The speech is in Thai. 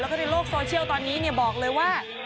แล้วก็ในโลกโซเชียลตอนนี้บอกเลยว่า